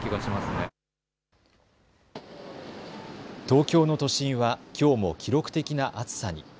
東京の都心はきょうも記録的な暑さに。